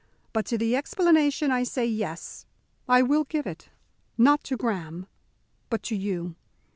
But to the explanation, I say, Yes! I will give it, not to Graham, but to you.